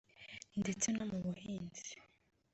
ndetse no mu buhinzi